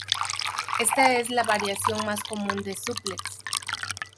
Esta es la variación más común de suplex.